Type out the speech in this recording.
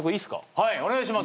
はいお願いします。